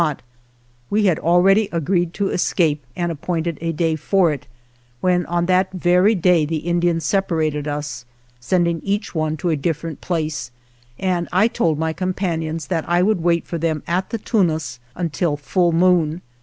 95 THE JOURNEY OF We had already agreed to escape and ap pointed a day for it, when on that very day the Indians separated us, sending each one to a different place, and I told my compan ions that I would wait for them at the tunas until full moon.